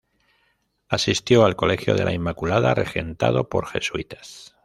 Asistió al colegio de la Inmaculada, regentado por jesuitas.